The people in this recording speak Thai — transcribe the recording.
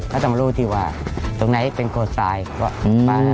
เราต้องรู้ที่ว่าตรงไหนเป็นโคไซด์